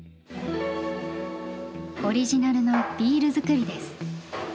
オリジナルのビール造りです。